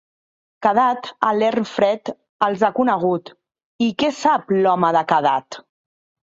Kadath a l'erm fred els ha conegut, i què sap l'home de Kadath?